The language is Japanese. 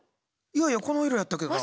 いやいやこの色やったけどな。